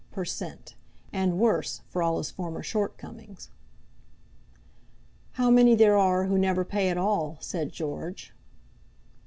per cent., and worse, for all his former shortcomings." "How many there are who never pay at all," said George.